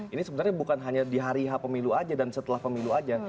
ini sebenarnya bukan hanya di hari h pemilu aja dan setelah pemilu aja